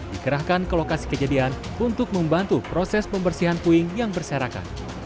dikerahkan ke lokasi kejadian untuk membantu proses pembersihan puing yang berserakan